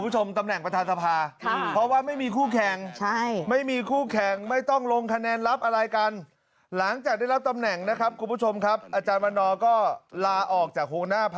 ชะลุยมวลเดียวจบ